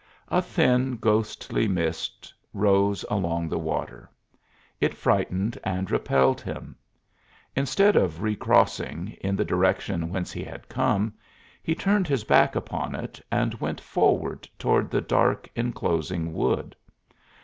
A thin, ghostly mist rose along the water. It frightened and repelled him; instead of recrossing, in the direction whence he had come, he turned his back upon it, and went forward toward the dark inclosing wood.